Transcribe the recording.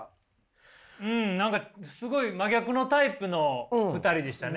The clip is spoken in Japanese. うん何かすごい真逆のタイプの２人でしたね。